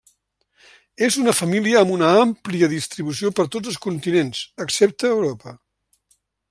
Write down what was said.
És una família amb una àmplia distribució per tots els continents, excepte Europa.